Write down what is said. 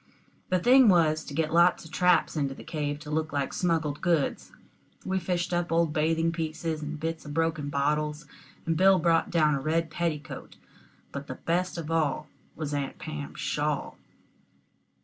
The thing was to get lots of traps into the cave to look like smuggled goods. We fished up old bathing pieces and bits of broken bottles, and Bill brought down a red petticoat; but the best of all was Aunt Pam's shawl.